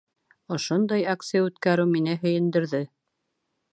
Ошондай акция үткәреү мине һөйөндөрҙө.